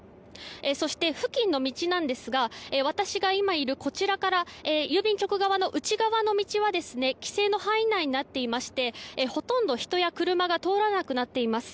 そして、付近の道なんですが私が今いるこちらから郵便局側の内側の道は規制の範囲内になっていましてほとんど人や車が通らなくなっています。